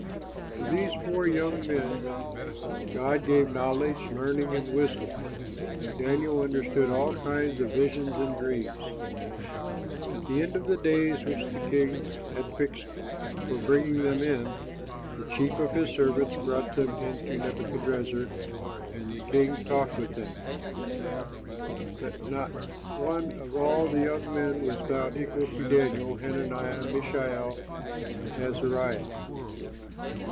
To these four young men God gave knowledge, learning, and wisdom; and Daniel understood all kinds of visions and dreams. At the end of the days which the king had fixed for bringing them in, the chief of his servants brought them in to Nebuchadrezzar, and the king talked with them. But not one of all the young men was found equal to Daniel, Hananiah, Mishael, and Azariah.